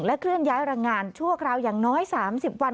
เคลื่อนย้ายแรงงานชั่วคราวอย่างน้อย๓๐วัน